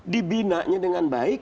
dibinanya dengan baik